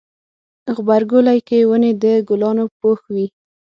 غبرګولی کې ونې د ګلانو پوښ وي.